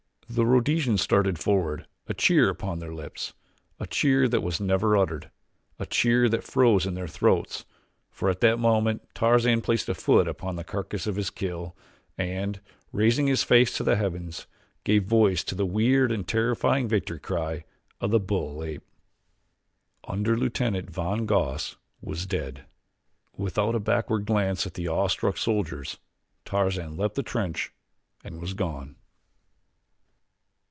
The Rhodesians started forward, a cheer upon their lips a cheer that never was uttered a cheer that froze in their throats, for at that moment Tarzan placed a foot upon the carcass of his kill and, raising his face to the heavens, gave voice to the weird and terrifying victory cry of the bull ape. Underlieutenant von Goss was dead. Without a backward glance at the awe struck soldiers Tarzan leaped the trench and was gone.